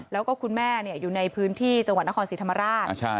แล้วก็คุณแม่อยู่ในพื้นที่จังหวัดนครศรีธรรมราช